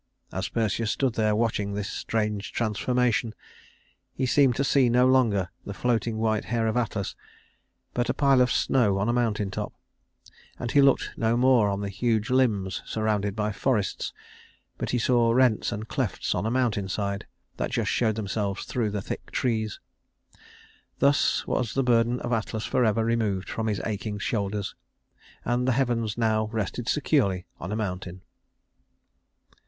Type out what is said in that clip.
As Perseus stood there watching the strange transformation, he seemed to see no longer the floating white hair of Atlas, but a pile of snow on a mountain top; and he looked no more on the huge limbs surrounded by forests, but he saw rents and clefts on a mountain side that just showed themselves through the thick trees. Thus was the burden of Atlas forever removed from his aching shoulders, and the heavens now rested securely on a mountain.